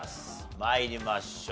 参りましょう。